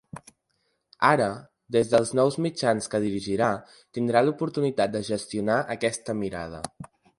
Ara, des dels nous mitjans que dirigirà, tindrà l’oportunitat de gestionar aquesta mirada.